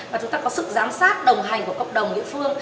và chúng ta có sự giám sát đồng hành của cộng đồng địa phương